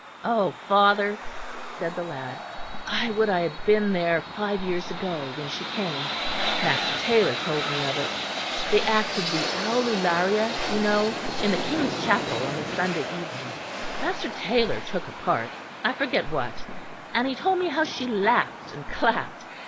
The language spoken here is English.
"Oh! father," said the lad, "I would I had been there five years ago when she came. Master Taylor told me of it. They acted the Aulularia, you know, in King's Chapel on the Sunday evening. Master Taylor took a part, I forget what; and he told me how she laughed and clapped.